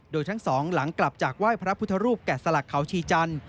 โดยทั้งสองหลังกลับจากไหว้พระพุทธรูปแกะสลักเขาชีจันทร์